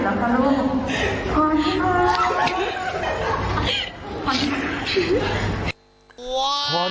พรณิภาค่ะพรณิภาเพิ่งไปห้องอื่นแล้วค่ะลูก